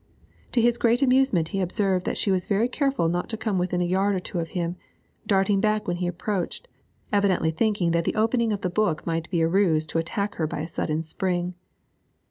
To his great amusement he observed that she was very careful not to come within a yard or two of him, darting back when he approached, evidently thinking that the opening of the book might be a ruse to attack her by a sudden spring.